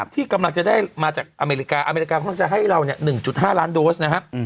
ที่กำลังจะได้มาจากอเมริกาอเมริกากำลังจะให้เรา๑๕ล้านโดสนะครับ